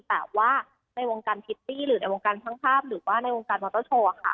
แต่ว่าในวงการพิตตี้หรือในวงการช่างภาพหรือว่าในวงการมอเตอร์โชว์ค่ะ